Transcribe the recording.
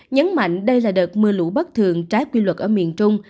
nhấn mạnh đây là đợt mưa lũ bất thường trái quy luật ở miền trung